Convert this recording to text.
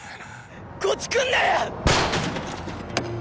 こっち来んなよ！